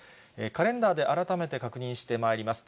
カレンダーで、改めて確認してまいります。